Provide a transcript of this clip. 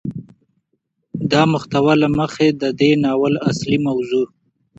د محتوا له مخې ده دې ناول اصلي موضوع